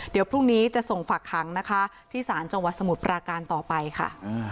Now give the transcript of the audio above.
เดี๋ยวพรุ่งนี้จะส่งฝากขังนะคะที่ศาลจังหวัดสมุทรปราการต่อไปค่ะ